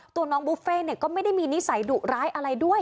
ตัวน้องบุฟเฟ่ก็ไม่ได้มีนิสัยดุร้ายอะไรด้วย